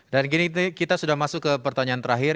dan gini kita sudah masuk ke pertanyaan terakhir